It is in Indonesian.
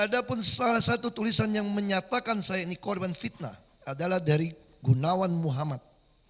ada pun salah satu tulisan yang menyatakan saya ini korban fitnah adalah dari gunawan muhammad